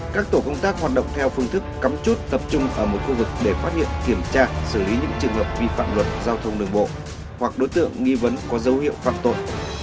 các tổ công tác hoạt động theo phương thức cắm chốt tập trung ở một khu vực để phát hiện kiểm tra xử lý những trường hợp vi phạm luật giao thông đường bộ hoặc đối tượng nghi vấn có dấu hiệu phạm tội